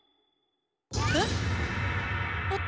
えっ。